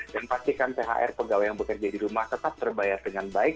dan pastikan thr pegawai yang bekerja di rumah tetap terbayar dengan baik